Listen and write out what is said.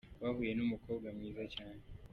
Bahuye n'umukobwa mwiza cyane.